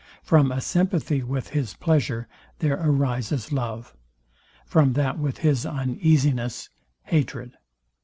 From a sympathy with his pleasure there arises love; from that with his uneasiness, hatred.